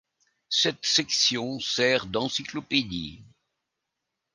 Cette section sert d'encyclopédie.